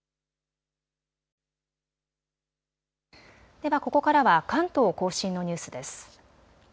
では、ここからは関東甲信のニュースです。